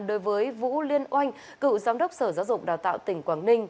đối với vũ liên oanh cựu giám đốc sở giáo dục đào tạo tỉnh quảng ninh